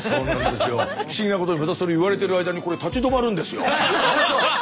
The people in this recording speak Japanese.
不思議なことにまたそれ言われてる間にこれ立ち止まるんですよ。